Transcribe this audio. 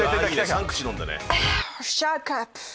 ３口飲んだね。